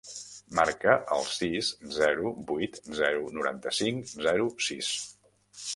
Marca el sis, zero, vuit, zero, noranta-cinc, zero, sis.